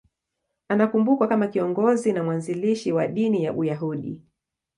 Anakumbukwa kama kiongozi na mwanzilishi wa dini ya Uyahudi.